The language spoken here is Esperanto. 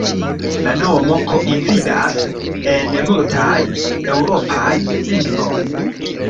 La nomo koincidas en multaj eŭropaj lingvoj.